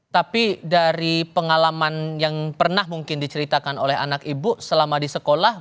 tapi dari pengalaman yang pernah mungkin diceritakan oleh anak ibu selama di sekolah